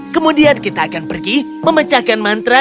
kemudian kita akan pergi memecahkan mantra